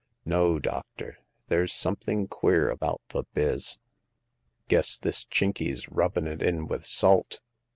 No, doctor ; there's something queer about the biz. Guess this Chinky's rubbin' it in with salt."